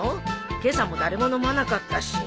今朝も誰も飲まなかったし。